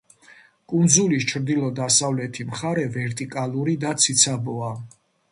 კუნძულის ჩრდილო-დასავლეთი მხარე ვერტიკალური და ციცაბოა.